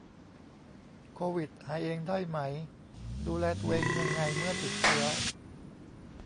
โควิดหายเองได้ไหม ดูแลตัวเองยังไงเมื่อติดเชื้อ